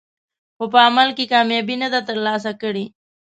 خو په عمل کې کامیابي نه ده ترلاسه کړې.